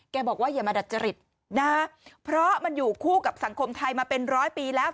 บอกว่าอย่ามาดัดจริตนะเพราะมันอยู่คู่กับสังคมไทยมาเป็นร้อยปีแล้ว